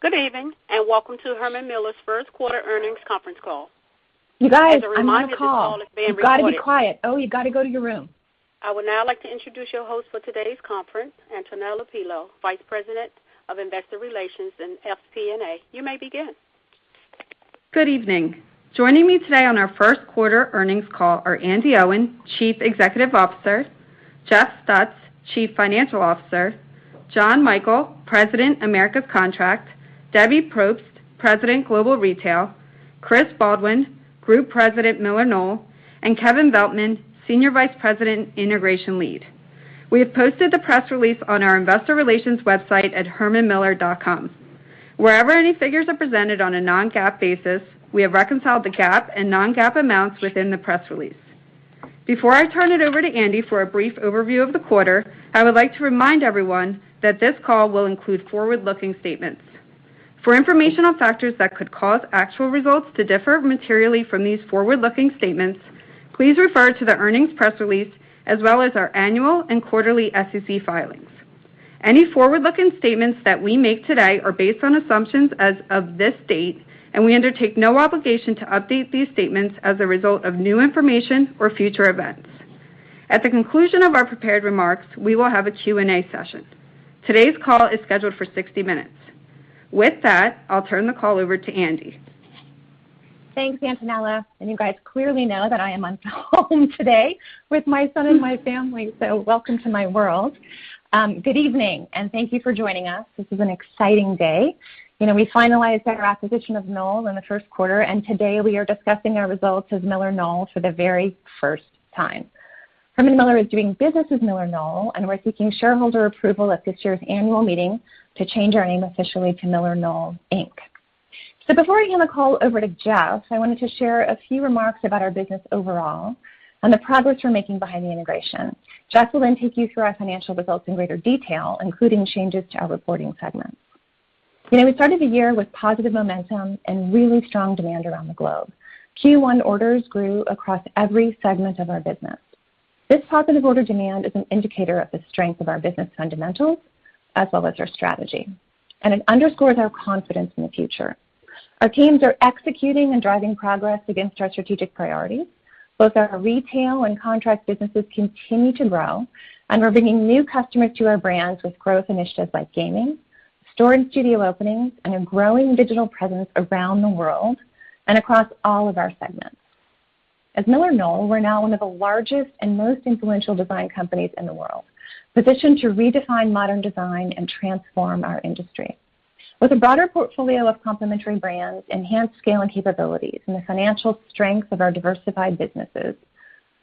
Good evening. Joining me today on our Q1 earnings call are Andi Owen, Chief Executive Officer, Jeff Stutz, Chief Financial Officer, John Michael, President, Americas Contract, Debbie Propst, President, Global Retail, Chris Baldwin, Group President, MillerKnoll, and Kevin Veltman, Senior Vice President, Integration Lead. We have posted the press release on our investor relations website at hermanmiller.com. Wherever any figures are presented on a non-GAAP basis, we have reconciled the GAAP and non-GAAP amounts within the press release. Before I turn it over to Andi for a brief overview of the quarter, I would like to remind everyone that this call will include forward-looking statements. For informational factors that could cause actual results to differ materially from these forward-looking statements, please refer to the earnings press release, as well as our annual and quarterly SEC filings. Any forward-looking statements that we make today are based on assumptions as of this date, and we undertake no obligation to update these statements as a result of new information or future events. At the conclusion of our prepared remarks, we will have a Q&A session. Today's call is scheduled for 60 minutes. With that, I'll turn the call over to Andi. Thanks, Antonella. You guys clearly know that I am at home today with my son and my family, so welcome to my world. Good evening. Thank you for joining us. This is an exciting day. We finalized our acquisition of Knoll in the first quarter, and today we are discussing our results as MillerKnoll for the very first time. Herman Miller is doing business as MillerKnoll, and we're seeking shareholder approval at this year's annual meeting to change our name officially to MillerKnoll, Inc. Before I hand the call over to Jeff, I wanted to share a few remarks about our business overall and the progress we're making behind the integration. Jeff will then take you through our financial results in greater detail, including changes to our reporting segments. We started the year with positive momentum and really strong demand around the globe. Q1 orders grew across every segment of our business. This positive order demand is an indicator of the strength of our business fundamentals as well as our strategy, and it underscores our confidence in the future. Our teams are executing and driving progress against our strategic priorities. Both our retail and contract businesses continue to grow, and we're bringing new customers to our brands with growth initiatives like gaming, store and studio openings, and a growing digital presence around the world and across all of our segments. As MillerKnoll, we're now one of the largest and most influential design companies in the world, positioned to redefine modern design and transform our industry. With a broader portfolio of complementary brands, enhanced scale and capabilities, and the financial strength of our diversified businesses,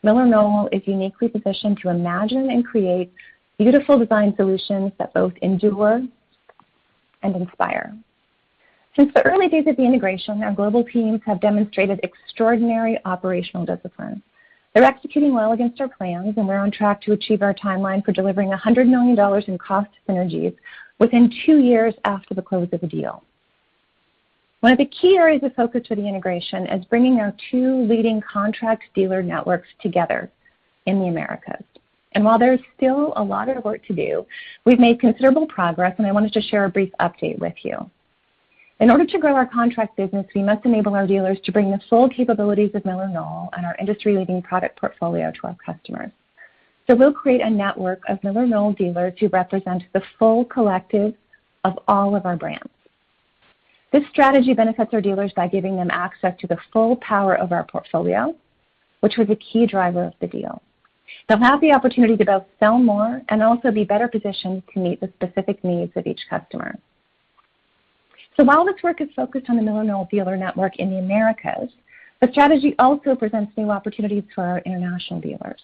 MillerKnoll is uniquely positioned to imagine and create beautiful design solutions that both endure and inspire. Since the early days of the integration, our global teams have demonstrated extraordinary operational discipline. They're executing well against our plans, and we're on track to achieve our timeline for delivering $100 million in cost synergies within two years after the close of the deal. One of the key areas of focus for the integration is bringing our two leading contract dealer networks together in the Americas. While there's still a lot of work to do, we've made considerable progress, and I wanted to share a brief update with you. In order to grow our contract business, we must enable our dealers to bring the full capabilities of MillerKnoll and our industry-leading product portfolio to our customers. We'll create a network of MillerKnoll dealers who represent the full collective of all of our brands. This strategy benefits our dealers by giving them access to the full power of our portfolio, which was a key driver of the deal. They'll have the opportunity to both sell more and also be better positioned to meet the specific needs of each customer. While this work is focused on the MillerKnoll dealer network in the Americas, the strategy also presents new opportunities for our international dealers.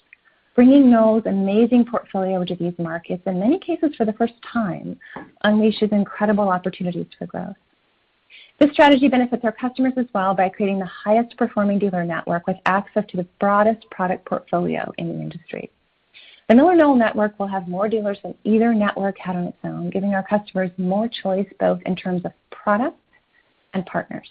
Bringing Knoll's amazing portfolio to these markets, in many cases for the first time, unleashes incredible opportunities for growth. This strategy benefits our customers as well by creating the highest performing dealer network with access to the broadest product portfolio in the industry. The MillerKnoll network will have more dealers than either network had on its own, giving our customers more choice both in terms of products and partners.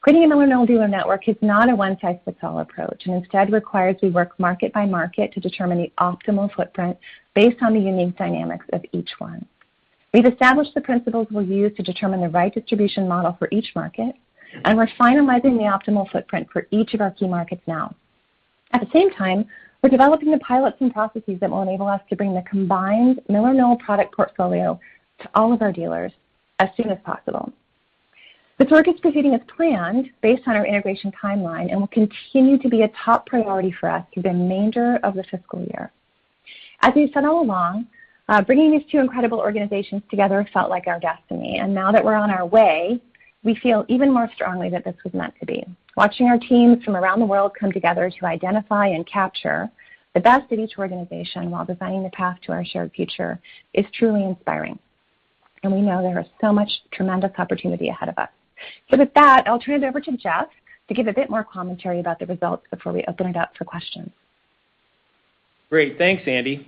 Creating a MillerKnoll dealer network is not a one-size-fits-all approach and instead requires we work market by market to determine the optimal footprint based on the unique dynamics of each one. We've established the principles we'll use to determine the right distribution model for each market, and we're finalizing the optimal footprint for each of our key markets now. At the same time, we're developing the pilots and processes that will enable us to bring the combined MillerKnoll product portfolio to all of our dealers as soon as possible. This work is proceeding as planned based on our integration timeline and will continue to be a top priority for us through the remainder of the fiscal year. As we've said all along, bringing these two incredible organizations together felt like our destiny. Now that we're on our way, we feel even more strongly that this was meant to be. Watching our teams from around the world come together to identify and capture the best of each organization while designing the path to our shared future is truly inspiring. We know there is so much tremendous opportunity ahead of us. With that, I'll turn it over to Jeff to give a bit more commentary about the results before we open it up for questions. Great. Thanks, Andi.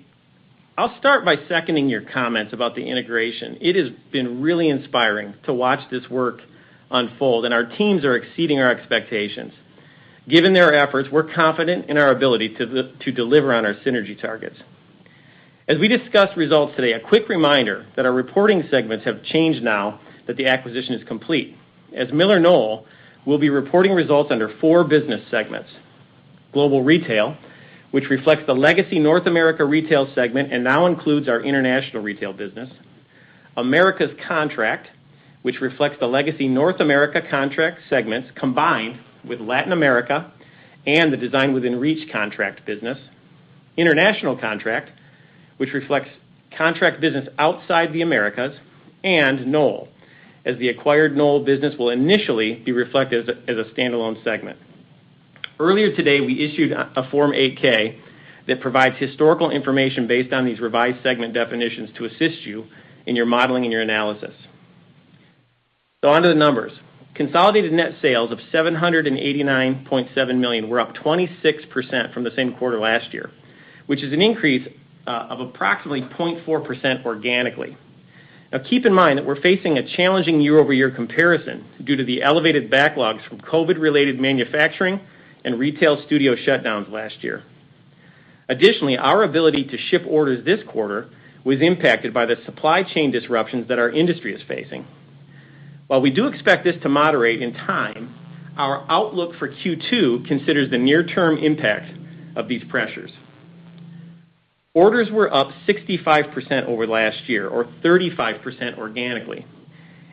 I'll start by seconding your comments about the integration. It has been really inspiring to watch this work unfold, and our teams are exceeding our expectations. Given their efforts, we're confident in our ability to deliver on our synergy targets. As we discuss results today, a quick reminder that our reporting segments have changed now that the acquisition is complete. As MillerKnoll, we'll be reporting results under four business segments: Global Retail, which reflects the legacy North America Retail segment and now includes our international retail business. Americas Contract, which reflects the legacy North America Contract segments combined with Latin America and the Design Within Reach contract business. International Contract, which reflects contract business outside the Americas. Knoll, as the acquired Knoll business will initially be reflected as a standalone segment. Earlier today, we issued a Form 8-K that provides historical information based on these revised segment definitions to assist you in your modeling and your analysis. Onto the numbers. Consolidated net sales of $789.7 million were up 26% from the same quarter last year, which is an increase of approximately 0.4% organically. Now, keep in mind that we're facing a challenging year-over-year comparison due to the elevated backlogs from COVID-related manufacturing and retail studio shutdowns last year. Additionally, our ability to ship orders this quarter was impacted by the supply chain disruptions that our industry is facing. While we do expect this to moderate in time, our outlook for Q2 considers the near-term impact of these pressures. Orders were up 65% over last year or 35% organically.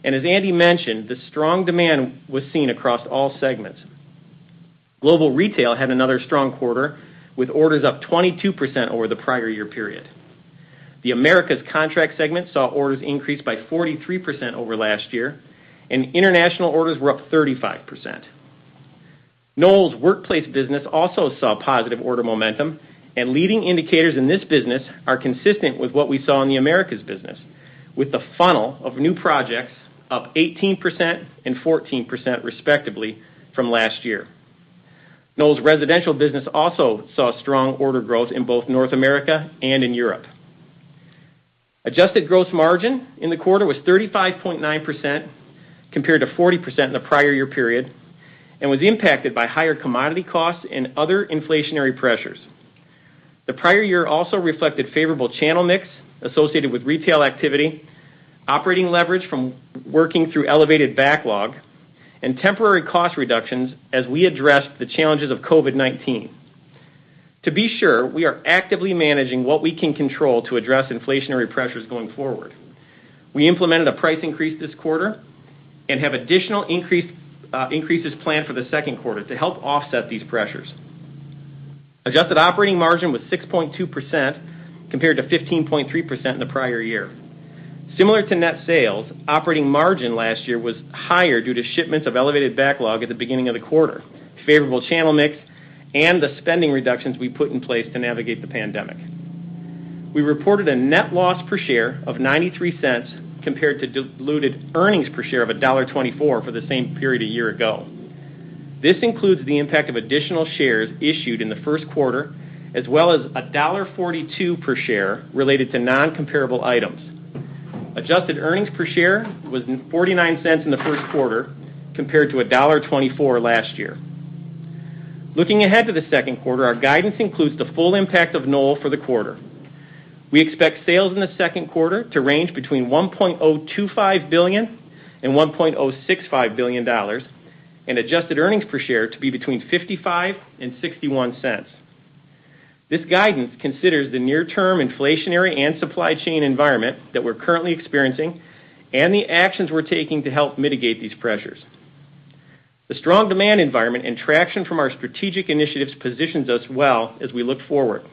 As Andi mentioned, the strong demand was seen across all segments. Global Retail had another strong quarter, with orders up 22% over the prior year period. The Americas Contract segment saw orders increase by 43% over last year, and international orders were up 35%. Knoll's workplace business also saw positive order momentum, and leading indicators in this business are consistent with what we saw in the Americas business, with the funnel of new projects up 18% and 14% respectively from last year. Knoll's residential business also saw strong order growth in both North America and in Europe. Adjusted gross margin in the quarter was 35.9%, compared to 40% in the prior year period, and was impacted by higher commodity costs and other inflationary pressures. The prior year also reflected favorable channel mix associated with retail activity, operating leverage from working through elevated backlog, and temporary cost reductions as we addressed the challenges of COVID-19. To be sure, we are actively managing what we can control to address inflationary pressures going forward. We implemented a price increase this quarter and have additional increases planned for the second quarter to help offset these pressures. Adjusted operating margin was 6.2%, compared to 15.3% in the prior year. Similar to net sales, operating margin last year was higher due to shipments of elevated backlog at the beginning of the quarter, favorable channel mix, and the spending reductions we put in place to navigate the pandemic. We reported a net loss per share of $0.93 compared to diluted earnings per share of $1.24 for the same period a year ago. This includes the impact of additional shares issued in the first quarter, as well as $1.42 per share related to non-comparable items. Adjusted earnings per share was $0.49 in the first quarter, compared to $1.24 last year. Looking ahead to the Q2, our guidance includes the full impact of Knoll for the quarter. We expect sales in the Q2 to range between $1.025 billion and $1.065 billion, and adjusted earnings per share to be between $0.55 and $0.61. This guidance considers the near-term inflationary and supply chain environment that we're currently experiencing and the actions we're taking to help mitigate these pressures. The strong demand environment and traction from our strategic initiatives positions us well as we look forward.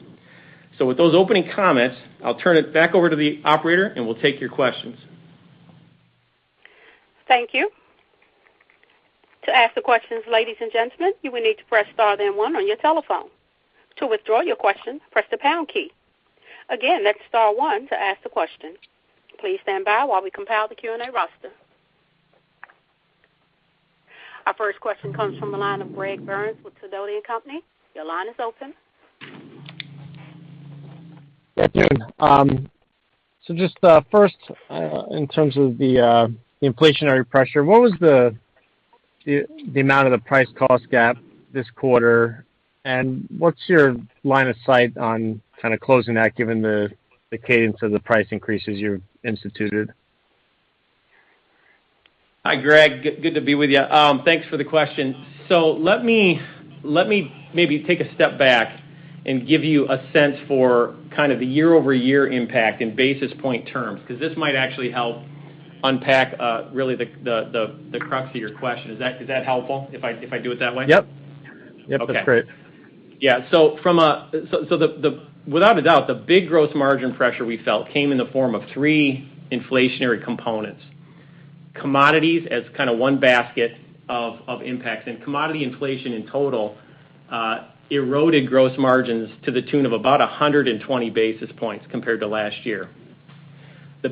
With those opening comments, I'll turn it back over to the operator, and we'll take your questions. Thank you. Our first question comes from the line of Greg Burns with Sidoti & Company. Your line is open. Yeah. Just first, in terms of the inflationary pressure, what was the amount of the price cost gap this quarter, and what's your line of sight on kind of closing that given the cadence of the price increases you've instituted? Hi, Greg. Good to be with you. Thanks for the question. Let me maybe take a step back and give you a sense for kind of the year-over-year impact in basis point terms, because this might actually help unpack really the crux of your question. Is that helpful if I do it that way? Yep. Okay. That's great. Yeah. Without a doubt, the big gross margin pressure we felt came in the form of three inflationary components. Commodities as kind of one basket of impacts, commodity inflation in total eroded gross margins to the tune of about 120 basis points compared to last year. The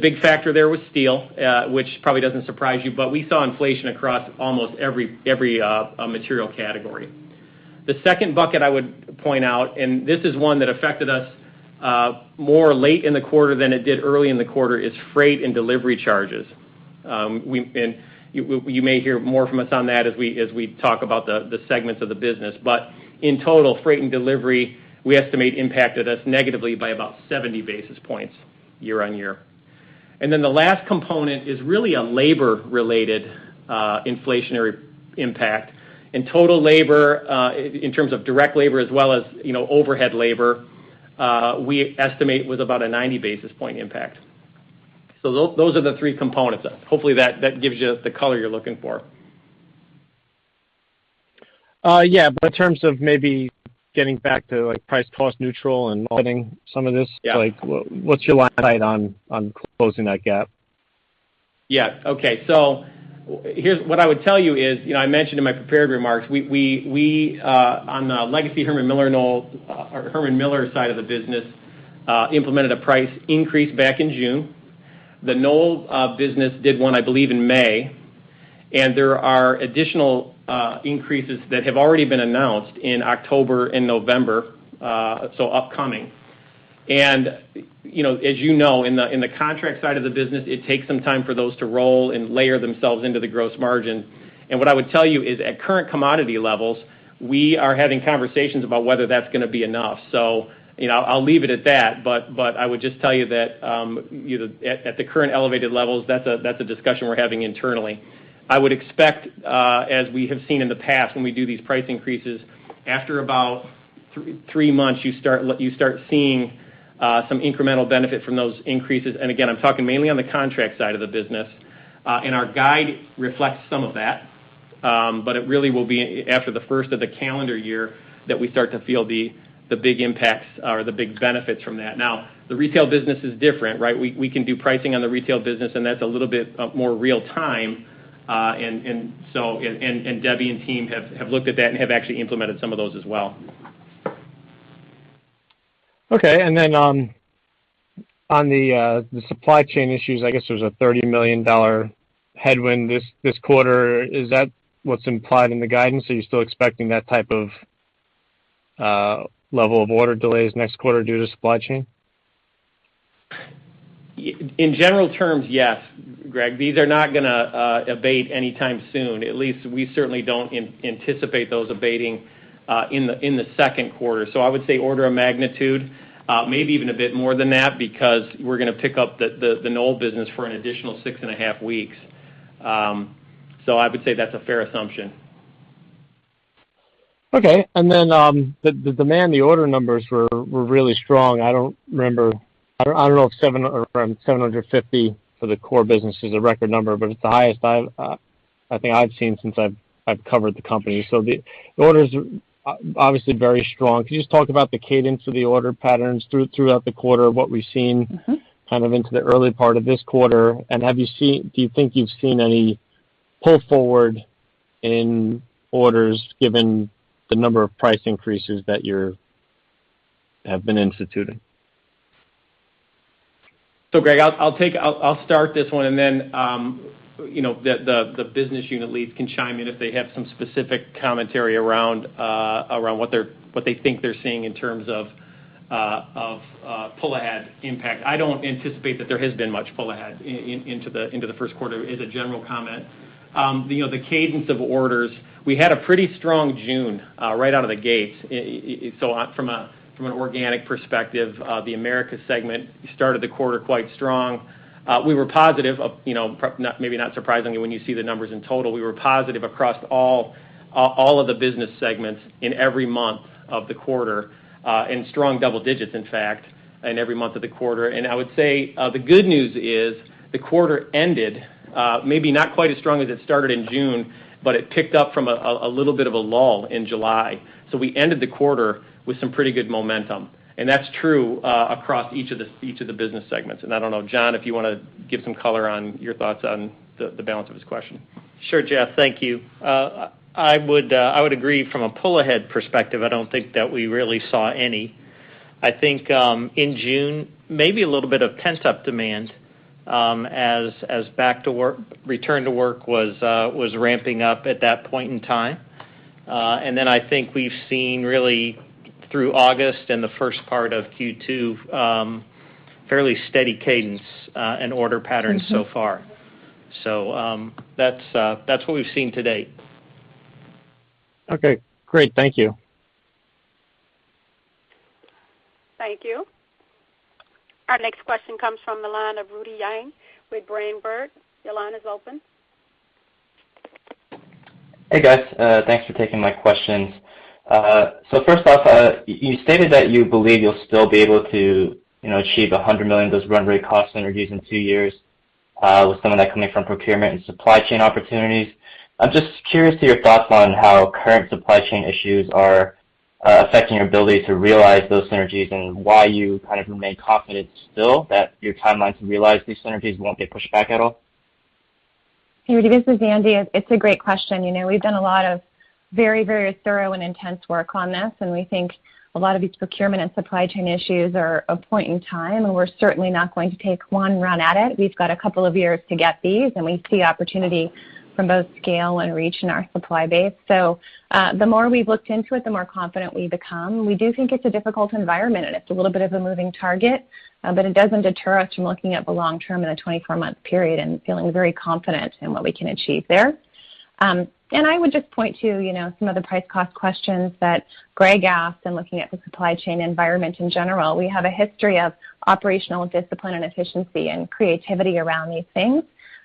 big factor there was steel, which probably doesn't surprise you, but we saw inflation across almost every material category. The second bucket I would point out, and this is one that affected us more late in the quarter than it did early in the quarter, is freight and delivery charges. You may hear more from us on that as we talk about the segments of the business. In total, freight and delivery, we estimate impacted us negatively by about 70 basis points year-on-year. Then the last component is really a labor-related inflationary impact. In total labor, in terms of direct labor as well as overhead labor, we estimate with about a 90 basis point impact. Those are the three components. Hopefully, that gives you the color you're looking for. Yeah. In terms of maybe getting back to price cost neutral. Yeah What's your line of sight on closing that gap? Yeah. Okay. What I would tell you is, I mentioned in my prepared remarks, we, on the legacy Herman Miller side of the business, implemented a price increase back in June. The Knoll business did one, I believe, in May. There are additional increases that have already been announced in October and November, so upcoming. As you know, in the contract side of the business, it takes some time for those to roll and layer themselves into the gross margin. What I would tell you is, at current commodity levels, we are having conversations about whether that's going to be enough. I'll leave it at that, but I would just tell you that at the current elevated levels, that's a discussion we're having internally. I would expect, as we have seen in the past when we do these price increases, after about three months, you start seeing some incremental benefit from those increases. Again, I'm talking mainly on the contract side of the business. Our guide reflects some of that. It really will be after the first of the calendar year that we start to feel the big impacts or the big benefits from that. The retail business is different, right? We can do pricing on the retail business, and that's a little bit more real time. Debbie and team have looked at that and have actually implemented some of those as well. Okay. Then on the supply chain issues, I guess there's a $30 million headwind this quarter. Is that what's implied in the guidance? Are you still expecting that type of level of order delays next quarter due to supply chain? In general terms, yes, Greg. These are not going to abate anytime soon. At least, we certainly don't anticipate those abating in the second quarter. I would say order of magnitude, maybe even a bit more than that because we're going to pick up the Knoll business for an additional six and a half weeks. I would say that's a fair assumption. Okay. The demand, the order numbers were really strong. I don't remember. I don't know if 750 for the core business is a record number, but it's the highest I think I've seen since I've covered the company. The orders are obviously very strong. Can you just talk about the cadence of the order patterns throughout the quarter, what we've seen. kind of into the early part of this quarter, and do you think you've seen any pull forward in orders given the number of price increases that you have been instituting? Greg, I'll start this one and then the business unit leads can chime in if they have some specific commentary around what they think they're seeing in terms of pull-ahead impact. I don't anticipate that there has been much pull ahead into the first quarter, as a general comment. The cadence of orders, we had a pretty strong June right out of the gate. From an organic perspective, the Americas Contract segment started the quarter quite strong. We were positive, maybe not surprisingly when you see the numbers in total, we were positive across all of the business segments in every month of the quarter. In strong double digits, in fact, in every month of the quarter. I would say the good news is the quarter ended maybe not quite as strong as it started in June, but it picked up from a little bit of a lull in July. We ended the quarter with some pretty good momentum, and that's true across each of the business segments. I don't know, John, if you want to give some color on your thoughts on the balance of his question. Sure, Jeff. Thank you. I would agree from a pull-ahead perspective, I don't think that we really saw any. I think in June, maybe a little bit of pent-up demand, as return to work was ramping up at that point in time. I think we've seen really through August and the first part of Q2, fairly steady cadence and order patterns so far. That's what we've seen to date. Okay, great. Thank you. Thank you. Our next question comes from the line of Rudy Yang with Berenberg. Your line is open. Hey, guys. Thanks for taking my questions. First off, you stated that you believe you'll still be able to achieve $100 million of those run rate cost synergies in two years, with some of that coming from procurement and supply chain opportunities. I'm just curious to your thoughts on how current supply chain issues are affecting your ability to realize those synergies and why you kind of remain confident still that your timelines to realize these synergies won't get pushed back at all. Hey, Rudy. This is Andi. It's a great question. We've done a lot of very, very thorough and intense work on this, and we think a lot of these procurement and supply chain issues are a point in time, and we're certainly not going to take one run at it. We've got a couple of years to get these, and we see opportunity from both scale and reach in our supply base. The more we've looked into it, the more confident we become. We do think it's a difficult environment, and it's a little bit of a moving target. It doesn't deter us from looking at the long term in a 24-month period and feeling very confident in what we can achieve there. I would just point to some of the price cost questions that Greg asked and looking at the supply chain environment in general. We have a history of operational discipline and efficiency and creativity around these things.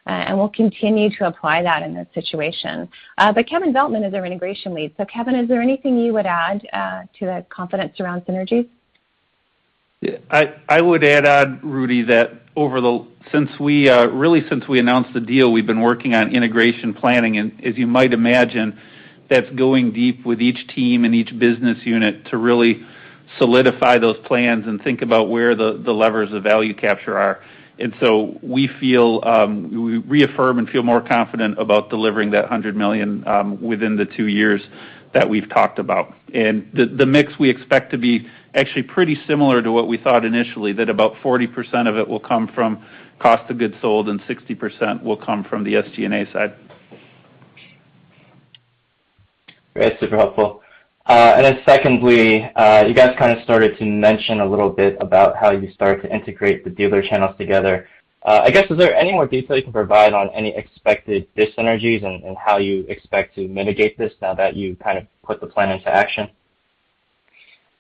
We'll continue to apply that in this situation. Kevin Veltman is our integration lead. Kevin, is there anything you would add to that confidence around synergies? Yeah. I would add on, Rudy, that really since we announced the deal, we've been working on integration planning, and as you might imagine, that's going deep with each team and each business unit to really solidify those plans and think about where the levers of value capture are. We reaffirm and feel more confident about delivering that $100 million within the two years that we've talked about. The mix we expect to be actually pretty similar to what we thought initially, that about 40% of it will come from cost of goods sold and 60% will come from the SG&A side. Great. Super helpful. Secondly, you guys kind of started to mention a little bit about how you start to integrate the dealer channels together. I guess, is there any more detail you can provide on any expected dis-synergies and how you expect to mitigate this now that you kind of put the plan into action?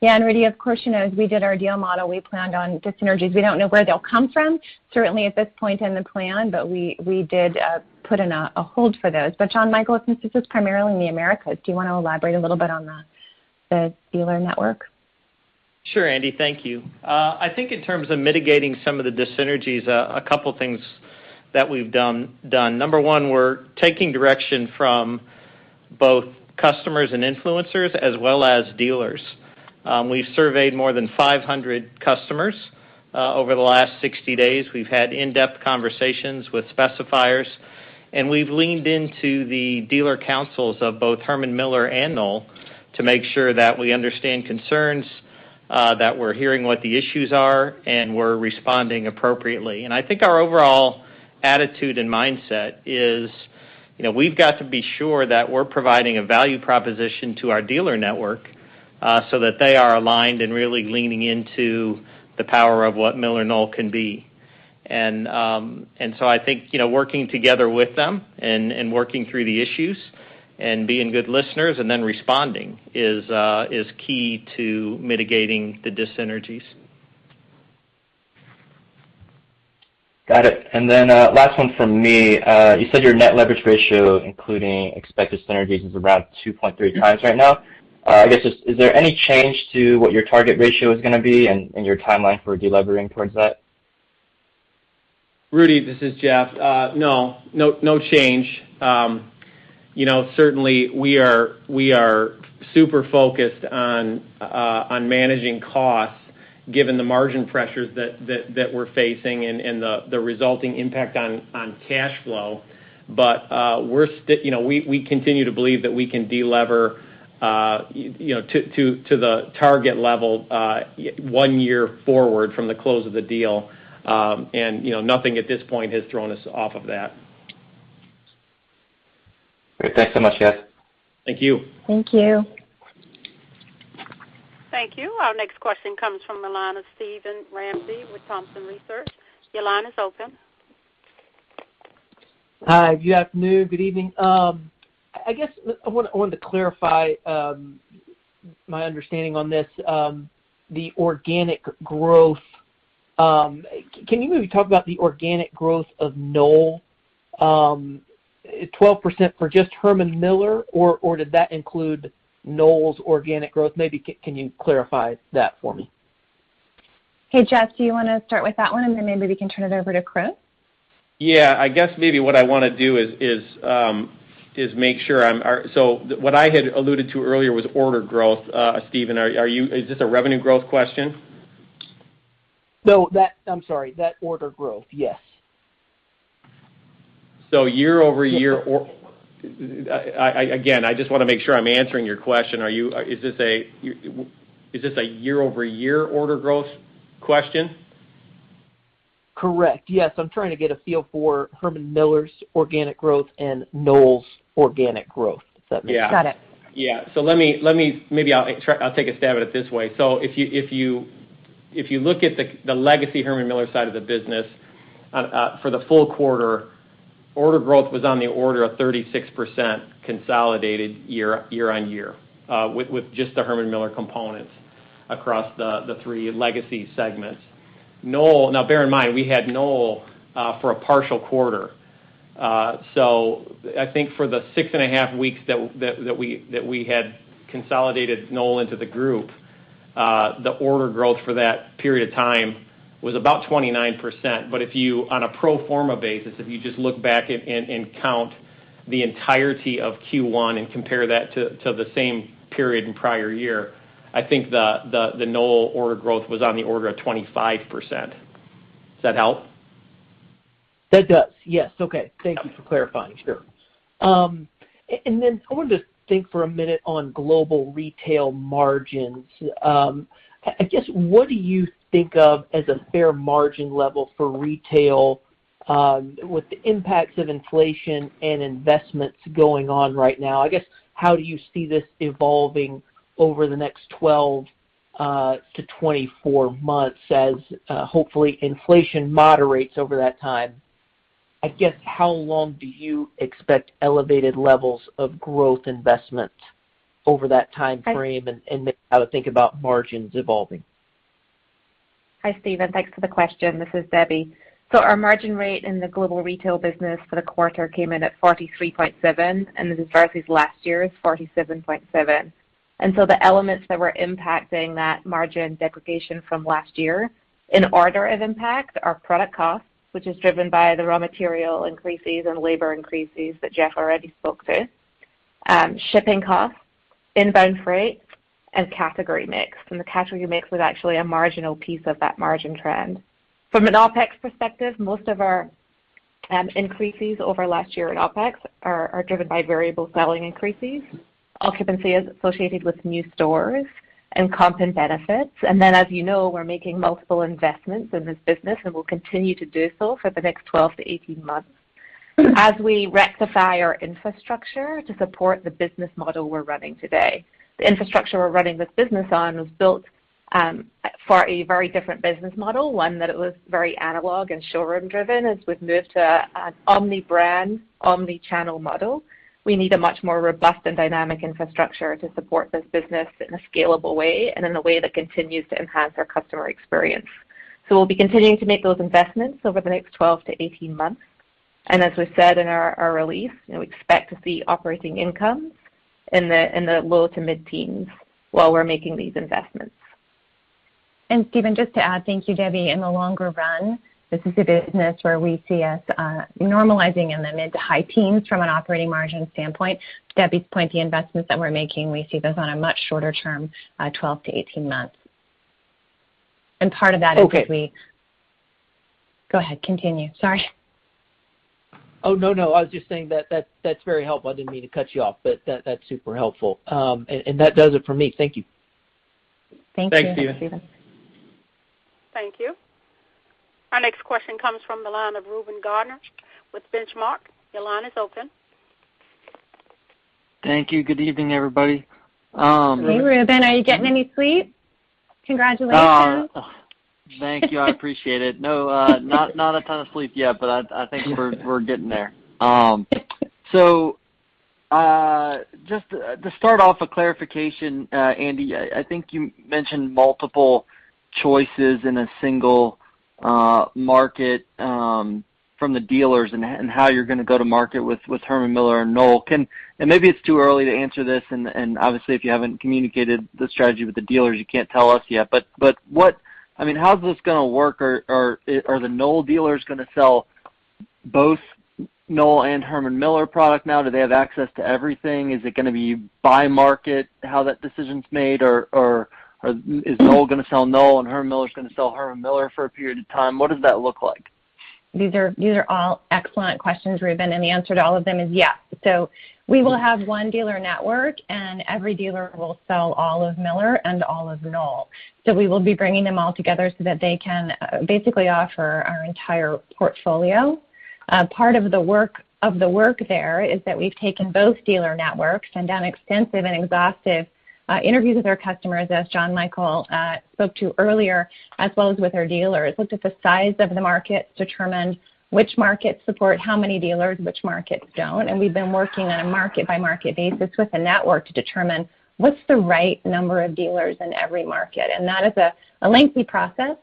Yeah. Rudy, of course, you know, as we did our deal model, we planned on dis-synergies. We don't know where they'll come from, certainly at this point in the plan, but we did put in a hold for those. John Michael, since this is primarily in the Americas, do you want to elaborate a little bit on the dealer network? Sure, Andi. Thank you. I think in terms of mitigating some of the dis-synergies, a couple things that we've done. Number one, we're taking direction from both customers and influencers, as well as dealers. We've surveyed more than 500 customers over the last 60 days. We've had in-depth conversations with specifiers, and we've leaned into the dealer councils of both Herman Miller and Knoll to make sure that we understand concerns, that we're hearing what the issues are, and we're responding appropriately. I think our overall attitude and mindset is we've got to be sure that we're providing a value proposition to our dealer network, so that they are aligned and really leaning into the power of what MillerKnoll can be. I think, working together with them and working through the issues and being good listeners and then responding is key to mitigating the dis-synergies. Got it. Last one from me. You said your net leverage ratio, including expected synergies, is around 2.3 times right now. I guess, is there any change to what your target ratio is going to be and your timeline for delevering towards that? Rudy, this is Jeff. No. No change. Certainly, we are super focused on managing costs given the margin pressures that we're facing and the resulting impact on cash flow. We continue to believe that we can delever to the target level one year forward from the close of the deal. Nothing at this point has thrown us off of that. Great. Thanks so much, Jeff. Thank you. Thank you. Thank you. Our next question comes from the line of Steven Ramsey with Thompson Research. Your line is open. Hi, good afternoon, good evening. I guess I wanted to clarify my understanding on this. The organic growth. Can you maybe talk about the organic growth of Knoll? 12% for just Herman Miller, or did that include Knoll's organic growth? Maybe can you clarify that for me? Hey, Jeff, do you want to start with that one, and then maybe we can turn it over to Chris? Yeah, what I had alluded to earlier was order growth. Steven, is this a revenue growth question? No, I'm sorry. That order growth, yes. Again, I just want to make sure I'm answering your question. Is this a year-over-year order growth question? Correct. Yes. I'm trying to get a feel for Herman Miller's organic growth and Knoll's organic growth, if that makes sense? Got it. Maybe I'll take a stab at it this way. If you look at the legacy Herman Miller side of the business for the full quarter, order growth was on the order of 36% consolidated year-on-year, with just the Herman Miller components across the three legacy segments. Now, bear in mind, we had Knoll for a partial quarter. I think for the six and a half weeks that we had consolidated Knoll into the group, the order growth for that period of time was about 29%. On a pro forma basis, if you just look back and count the entirety of Q1 and compare that to the same period in prior year, I think the Knoll order growth was on the order of 25%. Does that help? That does. Yes. Okay. Thank you for clarifying. Sure. I wanted to think for a minute on Global Retail margins. I guess, what do you think of as a fair margin level for retail? With the impacts of inflation and investments going on right now, I guess, how do you see this evolving over the next 12 to 24 months as, hopefully, inflation moderates over that time? I guess, how long do you expect elevated levels of growth investments over that time frame, and maybe how to think about margins evolving? Hi, Steven. Thanks for the question. This is Debbie. Our margin rate in the Global Retail business for the quarter came in at 43.7%, this is versus last year's 47.7%. The elements that were impacting that margin depreciation from last year, in order of impact, are product costs, which is driven by the raw material increases and labor increases that Jeff already spoke to, shipping costs, inbound freight, and category mix. The category mix was actually a marginal piece of that margin trend. From an OpEx perspective, most of our increases over last year in OpEx are driven by variable selling increases, occupancy is associated with new stores, and comp and benefits. As you know, we're making multiple investments in this business, and we'll continue to do so for the next 12 to 18 months. As we rectify our infrastructure to support the business model we're running today. The infrastructure we're running this business on was built for a very different business model, one that was very analog and showroom driven. As we've moved to an omni-brand, omni-channel model, we need a much more robust and dynamic infrastructure to support this business in a scalable way and in a way that continues to enhance our customer experience. We'll be continuing to make those investments over the next 12 to 18 months. As we said in our release, we expect to see operating income in the low to mid-teens while we're making these investments. Steven, just to add, thank you, Debbie. In the longer run, this is a business where we see us normalizing in the mid to high teens from an operating margin standpoint. Debbie's point, the investments that we're making, we see those on a much shorter term, 12 to 18 months. Okay. Go ahead. Continue. Sorry. Oh, no. I was just saying that's very helpful. I didn't mean to cut you off, but that's super helpful. That does it for me. Thank you. Thank you, Steven. Thank you, Steven. Thank you. Our next question comes from the line of Reuben Garner with Benchmark. Your line is open. Thank you. Good evening, everybody. Hey, Reuben. Are you getting any sleep? Congratulations. Thank you. I appreciate it. No, not a ton of sleep yet, but I think we're getting there. Just to start off, a clarification. Andi, I think you mentioned multiple choices in a single market from the dealers and how you're going to go to market with Herman Miller and Knoll. Maybe it's too early to answer this, and obviously, if you haven't communicated the strategy with the dealers, you can't tell us yet, but how is this going to work? Are the Knoll dealers going to sell both Knoll and Herman Miller product now? Do they have access to everything? Is it going to be by market how that decision's made, or is Knoll going to sell Knoll and Herman Miller's going to sell Herman Miller for a period of time? What does that look like? These are all excellent questions, Reuben, and the answer to all of them is yes. We will have one dealer network, and every dealer will sell all of Miller and all of Knoll. We will be bringing them all together so that they can basically offer our entire portfolio. Part of the work there is that we've taken both dealer networks and done extensive and exhaustive interviews with our customers, as John Michael spoke to earlier, as well as with our dealers, looked at the size of the markets, determined which markets support how many dealers, which markets don't, and we've been working on a market-by-market basis with the network to determine what's the right number of dealers in every market. That is a lengthy process.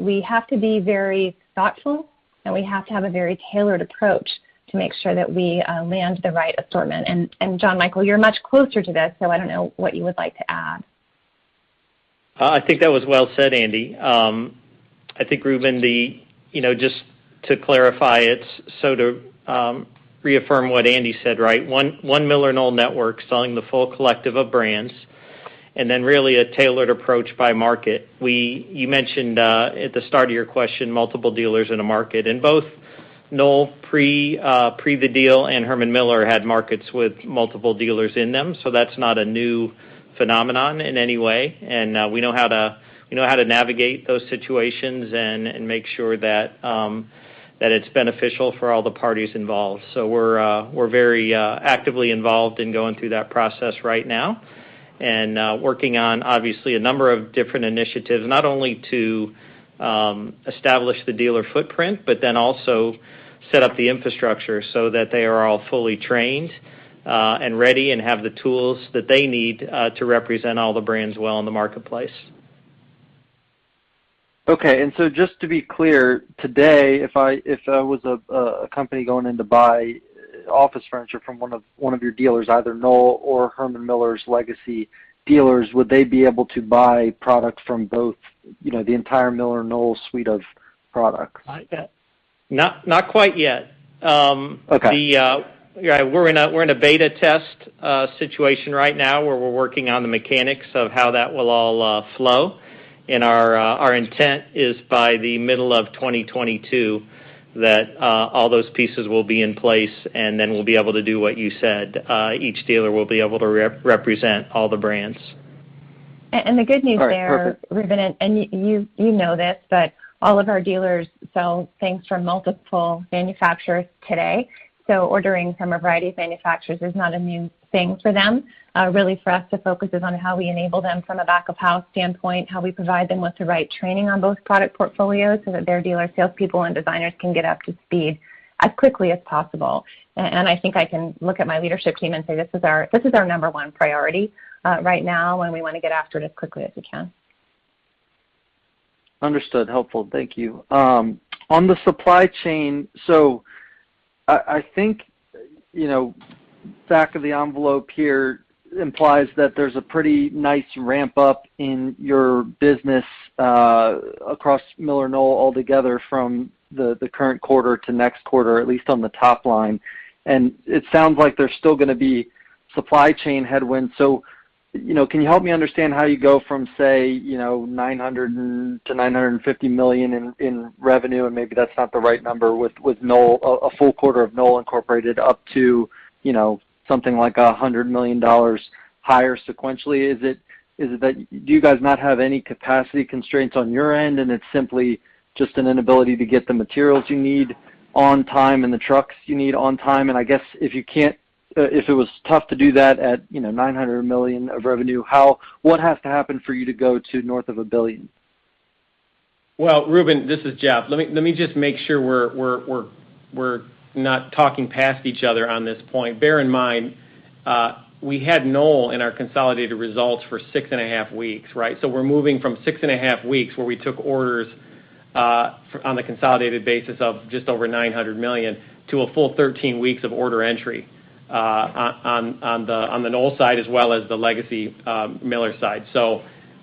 We have to be very thoughtful, and we have to have a very tailored approach to make sure that we land the right assortment. John Michael, you're much closer to this, so I don't know what you would like to add. I think that was well said, Andi. I think, Reuben, just to clarify it, to reaffirm what Andi said. One MillerKnoll network selling the full collective of brands, really a tailored approach by market. You mentioned, at the start of your question, multiple dealers in a market, both Knoll pre the deal and Herman Miller had markets with multiple dealers in them. That's not a new phenomenon in any way. We know how to navigate those situations and make sure that it's beneficial for all the parties involved. We're very actively involved in going through that process right now and working on, obviously, a number of different initiatives, not only to establish the dealer footprint, but then also set up the infrastructure so that they are all fully trained and ready and have the tools that they need to represent all the brands well in the marketplace. Okay. Just to be clear, today, if I was a company going in to buy office furniture from one of your dealers, either Knoll or Herman Miller's legacy dealers, would they be able to buy product from both, the entire MillerKnoll suite of products? Not quite yet. Okay. We're in a beta test situation right now where we're working on the mechanics of how that will all flow. Our intent is by the middle of 2022 that all those pieces will be in place. Then we'll be able to do what you said. Each dealer will be able to represent all the brands. The good news there. All right, perfect. Reuben, you know this, all of our dealers sell things from multiple manufacturers today. Ordering from a variety of manufacturers is not a new thing for them. Really for us, the focus is on how we enable them from a back-of-house standpoint, how we provide them with the right training on both product portfolios so that their dealer salespeople and designers can get up to speed as quickly as possible. I think I can look at my leadership team and say, this is our number one priority right now, we want to get after it as quickly as we can. Understood. Helpful. Thank you. On the supply chain, I think back of the envelope here implies that there's a pretty nice ramp-up in your business across MillerKnoll altogether from the current quarter to next quarter, at least on the top line. It sounds like there's still going to be supply chain headwinds. Can you help me understand how you go from, say, $900 million-$950 million in revenue? Maybe that's not the right number with a full quarter of Knoll Incorporated up to something like $100 million higher sequentially. Do you guys not have any capacity constraints on your end, and it's simply just an inability to get the materials you need on time and the trucks you need on time? I guess if it was tough to do that at $900 million of revenue, what has to happen for you to go to north of $1 billion? Well, Reuben, this is Jeff. Let me just make sure we're not talking past each other on this point. Bear in mind, we had Knoll in our consolidated results for six and a half weeks, right? We're moving from six and a half weeks, where we took orders on the consolidated basis of just over $900 million, to a full 13 weeks of order entry on the Knoll side as well as the legacy Miller side.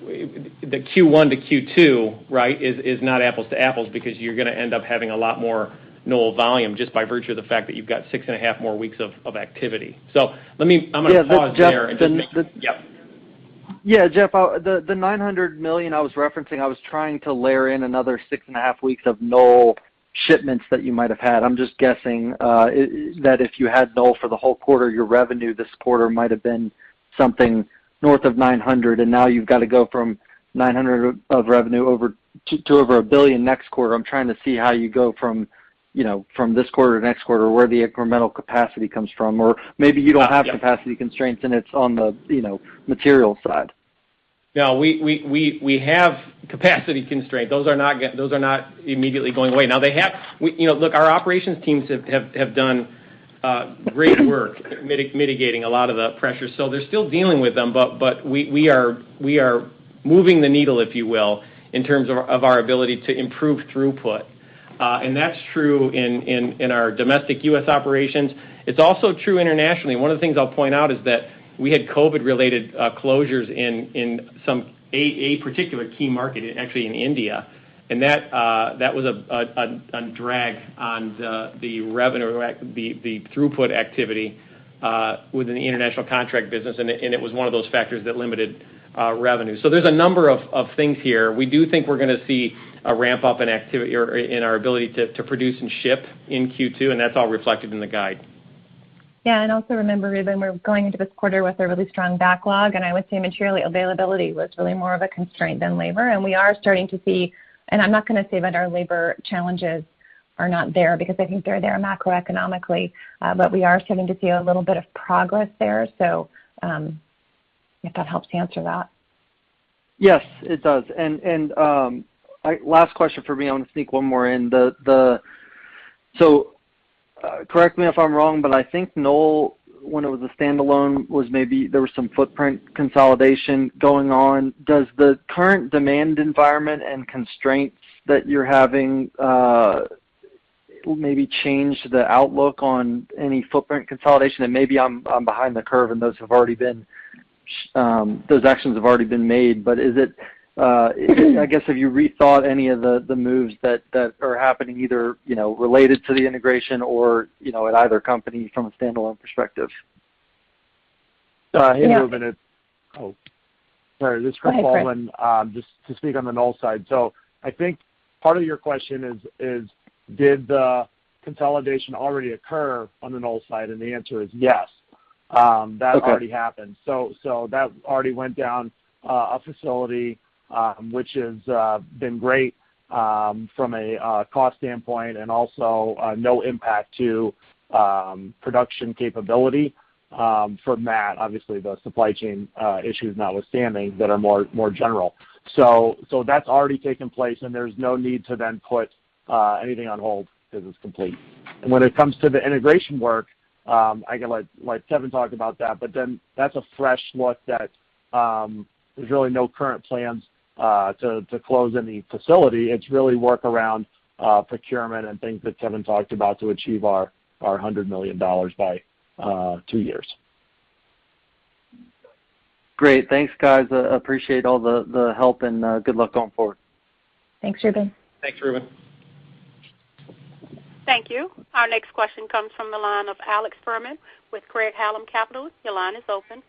The Q1 to Q2, right, is not apples to apples because you're going to end up having a lot more Knoll volume just by virtue of the fact that you've got six and a half more weeks of activity. I'm going to pause there. Yeah. Jeff. Yep. Yeah, Jeff, the $900 million I was referencing, I was trying to layer in another six and a half weeks of Knoll shipments that you might have had. I'm just guessing that if you had Knoll for the whole quarter, your revenue this quarter might have been something north of $900, and now you've got to go from $900 of revenue to over $1 billion next quarter. I'm trying to see how you go from this quarter to next quarter, where the incremental capacity comes from. Maybe you don't have capacity constraints, and it's on the material side. No, we have capacity constraints. Those are not immediately going away. Our operations teams have done great work mitigating a lot of the pressure, so they're still dealing with them, but we are moving the needle, if you will, in terms of our ability to improve throughput. That's true in our domestic U.S. operations. It's also true internationally. One of the things I'll point out is that we had COVID-related closures in a particular key market, actually in India. That was a drag on the throughput activity within the International Contract business, and it was one of those factors that limited revenue. There's a number of things here. We do think we're going to see a ramp-up in our ability to produce and ship in Q2, and that's all reflected in the guide. Yeah. Also remember, Reuben, we're going into this quarter with a really strong backlog, and I would say material availability was really more of a constraint than labor, and I'm not going to say that our labor challenges are not there because I think they're there macroeconomically, but we are starting to see a little bit of progress there. If that helps answer that. Yes, it does. Last question from me, I want to sneak one more in. Correct me if I'm wrong, but I think Knoll, when it was a standalone, maybe there was some footprint consolidation going on. Does the current demand environment and constraints that you're having maybe change the outlook on any footprint consolidation? Maybe I'm behind the curve, and those actions have already been made. I guess, have you rethought any of the moves that are happening either related to the integration or at either company from a standalone perspective? Yeah. Hey, Reuben. Oh, sorry. This is Baldwin. Go ahead, Chris. Just to speak on the Knoll side. I think part of your question is did the consolidation already occur on the Knoll side? The answer is yes. Okay. That already happened. That already went down a facility, which has been great from a cost standpoint and also no impact to production capability from that, obviously, the supply chain issues notwithstanding that are more general. That's already taken place, there's no need to put anything on hold because it's complete. When it comes to the integration work, I can let Kevin talk about that's a fresh look that there's really no current plans to close any facility. It's really work around procurement and things that Kevin talked about to achieve our $100 million by 2 years. Great. Thanks, guys. Appreciate all the help and good luck going forward. Thanks, Reuben. Thanks, Reuben. Thank you. Our next question comes from the line of Alex Fuhrman with Craig-Hallum Capital. Your line is open.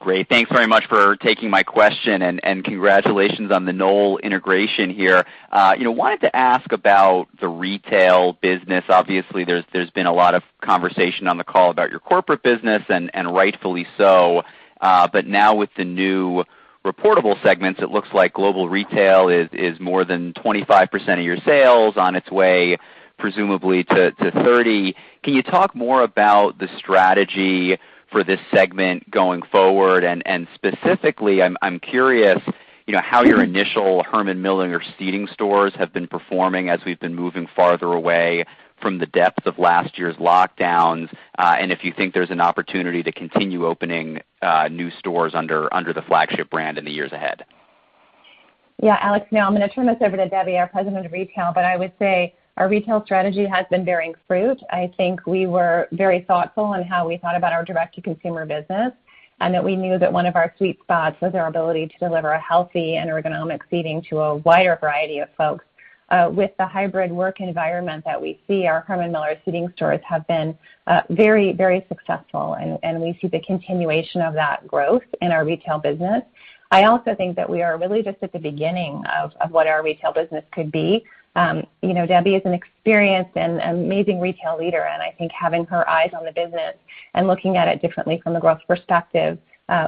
Great. Thanks very much for taking my question. Congratulations on the Knoll integration here. Wanted to ask about the retail business. Obviously, there's been a lot of conversation on the call about your corporate business, rightfully so. Now with the new reportable segments, it looks like Global Retail is more than 25% of your sales, on its way presumably to 30%. Can you talk more about the strategy for this segment going forward? Specifically, I'm curious how your initial Herman Miller seating stores have been performing as we've been moving farther away from the depths of last year's lockdowns, if you think there's an opportunity to continue opening new stores under the flagship brand in the years ahead. Yeah, Alex, no, I'm going to turn this over to Debbie, our President, Global Retail, but I would say our retail strategy has been bearing fruit. I think we were very thoughtful in how we thought about our direct-to-consumer business, and that we knew that one of our sweet spots was our ability to deliver a healthy and ergonomic seating to a wider variety of folks. With the hybrid work environment that we see, our Herman Miller seating stores have been very successful, and we see the continuation of that growth in our retail business. I also think that we are really just at the beginning of what our retail business could be. Debbie is an experienced and amazing retail leader, and I think having her eyes on the business and looking at it differently from a growth perspective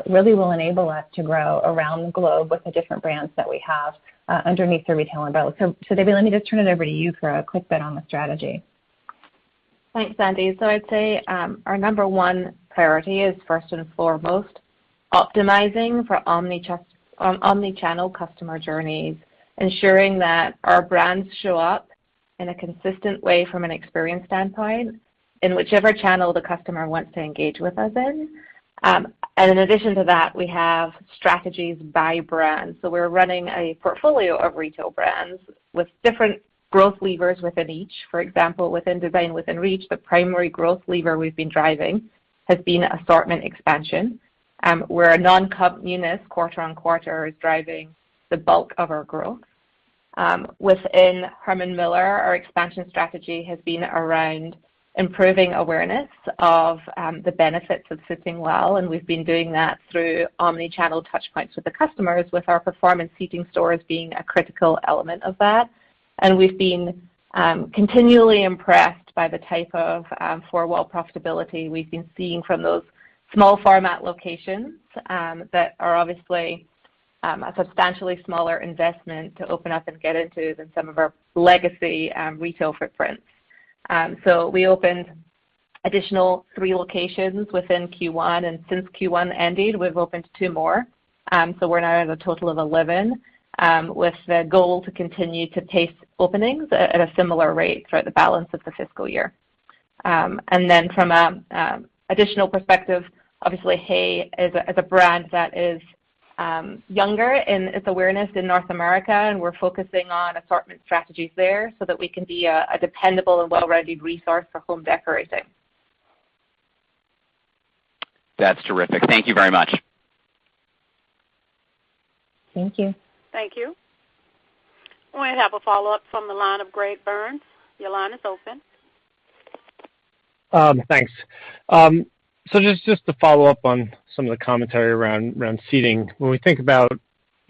really will enable us to grow around the globe with the different brands that we have underneath the retail umbrella. Debbie, let me just turn it over to you for a quick bit on the strategy. Thanks, Andi. I'd say our number 1 priority is first and foremost optimizing for omni-channel customer journeys, ensuring that our brands show up in a consistent way from an experience standpoint in whichever channel the customer wants to engage with us in. In addition to that, we have strategies by brand. We're running a portfolio of retail brands with different growth levers within each. For example, within Design Within Reach, the primary growth lever we've been driving has been assortment expansion, where a non-comp unit quarter-on-quarter is driving the bulk of our growth. Within Herman Miller, our expansion strategy has been around improving awareness of the benefits of sitting well, and we've been doing that through omni-channel touch points with the customers, with our performance seating stores being a critical element of that. We've been continually impressed by the type of four-wall profitability we've been seeing from those small format locations, that are obviously a substantially smaller investment to open up and get into than some of our legacy retail footprints. We opened additional three locations within Q1, and since Q1 ended, we've opened two more. We're now at a total of 11, with the goal to continue to pace openings at a similar rate throughout the balance of the fiscal year. From an additional perspective, obviously HAY is a brand that is younger in its awareness in North America, and we're focusing on assortment strategies there so that we can be a dependable and well-rounded resource for home decorating. That's terrific. Thank you very much. Thank you. Thank you. We have a follow-up from the line of Greg Burns. Your line is open. Thanks. Just to follow up on some of the commentary around seating. When we think about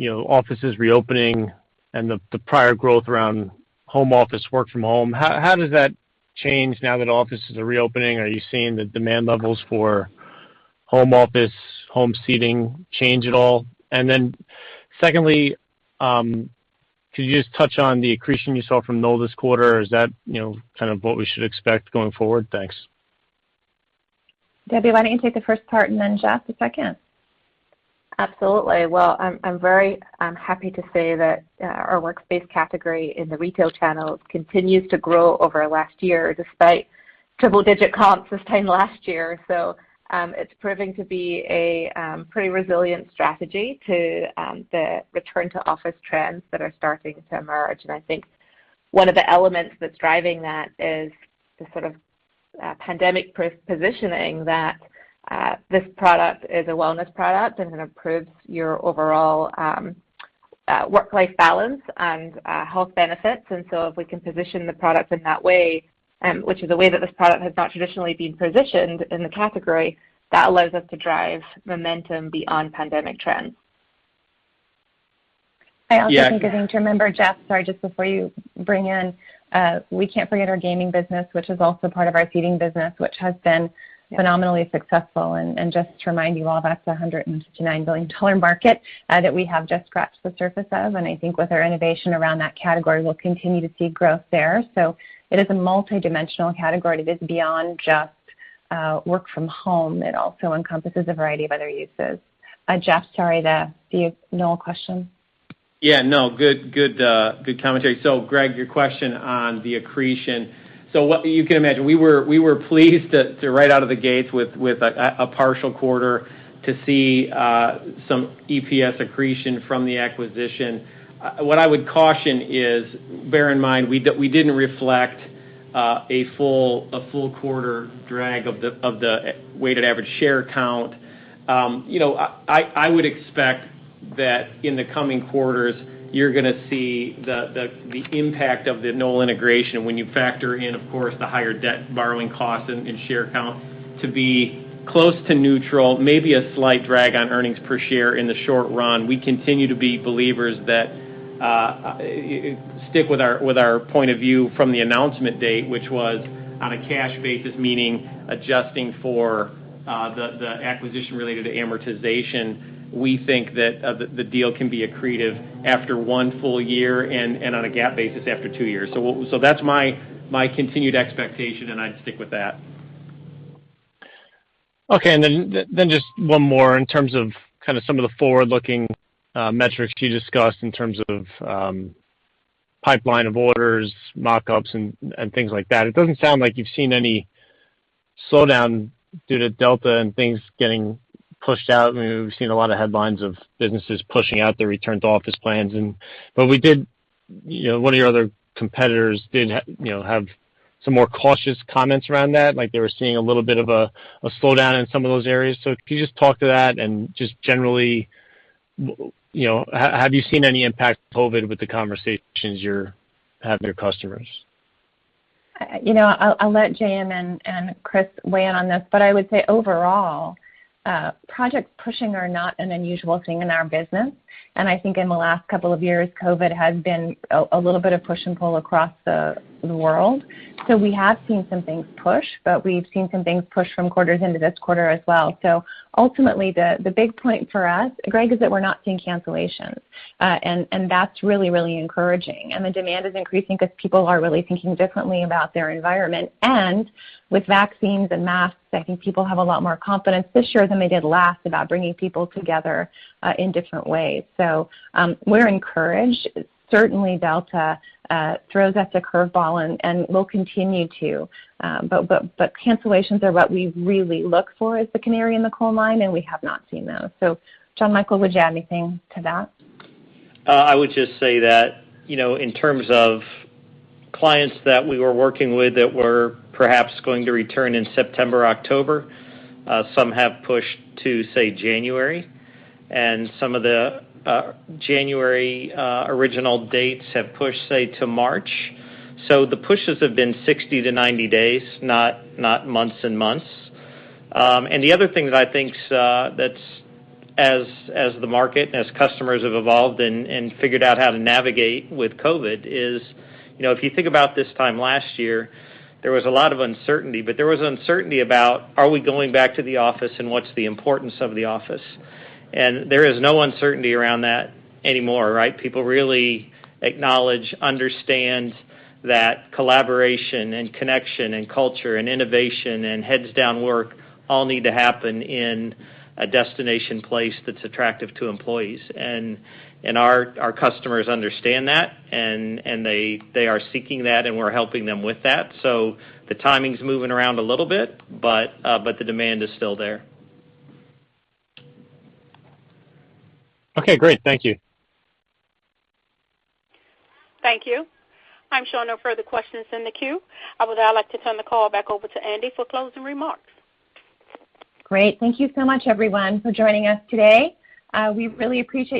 offices reopening and the prior growth around home office, work from home, how does that change now that offices are reopening? Are you seeing the demand levels for home office, home seating change at all? Secondly, could you just touch on the accretion you saw from Knoll this quarter? Is that kind of what we should expect going forward? Thanks. Debbie, why don't you take the first part, and then Jeff, the second. Absolutely. Well, I'm very happy to say that our workspace category in the Retail channel continues to grow over last year, despite triple-digit comps this time last year. I think one of the elements that's driving that is the sort of pandemic positioning that this product is a wellness product and it improves your overall work-life balance and health benefits. If we can position the product in that way, which is a way that this product has not traditionally been positioned in the category, that allows us to drive momentum beyond pandemic trends. I also think, as you remember, Jeff, sorry, just before you bring in, we can't forget our gaming business, which is also part of our seating business, which has been phenomenally successful. Just to remind you all, that's a $159 billion market that we have just scratched the surface of. I think with our innovation around that category, we'll continue to see growth there. It is a multidimensional category. It is beyond just work from home. It also encompasses a variety of other uses. Jeff, sorry, the Knoll question. Yeah, no. Good commentary. Greg, your question on the accretion. You can imagine, we were pleased to, right out of the gates with a partial quarter, to see some EPS accretion from the acquisition. What I would caution is, bear in mind, we didn't reflect a full quarter drag of the weighted average share count. I would expect that in the coming quarters, you're going to see the impact of the Knoll integration when you factor in, of course, the higher debt borrowing costs and share count to be close to neutral, maybe a slight drag on earnings per share in the short run. We continue to be believers that, stick with our point of view from the announcement date, which was on a cash basis, meaning adjusting for the acquisition-related to amortization. We think that the deal can be accretive after one full year and on a GAAP basis after two years. That's my continued expectation, and I'd stick with that. Just one more in terms of some of the forward-looking metrics you discussed in terms of pipeline of orders, mock-ups, and things like that. It doesn't sound like you've seen any slowdown due to Delta and things getting pushed out. We've seen a lot of headlines of businesses pushing out their return-to-office plans. One of your other competitors did have some more cautious comments around that, like they were seeing a little bit of a slowdown in some of those areas. Can you just talk to that and just generally, have you seen any impact of COVID with the conversations you have with your customers? I'll let JM and Chris weigh in on this, but I would say overall, projects pushing are not an unusual thing in our business. I think in the last couple of years, COVID has been a little bit of push and pull across the world. We have seen some things push, but we've seen some things push from quarters into this quarter as well. Ultimately, the big point for us, Greg, is that we're not seeing cancellations. That's really encouraging. The demand is increasing because people are really thinking differently about their environment. With vaccines and masks, I think people have a lot more confidence this year than they did last about bringing people together in different ways. We're encouraged. Certainly, Delta throws us a curve ball and will continue to. Cancellations are what we really look for as the canary in the coal mine, and we have not seen those. John Michael, would you add anything to that? I would just say that in terms of clients that we were working with that were perhaps going to return in September, October, some have pushed to, say, January, and some of the January original dates have pushed, say, to March. The pushes have been 60-90 days, not months and months. The other thing that I think that as the market and as customers have evolved and figured out how to navigate with COVID is, if you think about this time last year, there was a lot of uncertainty, but there was uncertainty about, are we going back to the office, and what's the importance of the office? There is no uncertainty around that anymore, right? People really acknowledge, understand that collaboration and connection and culture and innovation and heads-down work all need to happen in a destination place that's attractive to employees. Our customers understand that, and they are seeking that, and we're helping them with that. The timing's moving around a little bit, but the demand is still there. Okay, great. Thank you. Thank you. I'm showing no further questions in the queue. I would now like to turn the call back over to Andi for closing remarks. Great. Thank you so much, everyone, for joining us today. We really appreciate.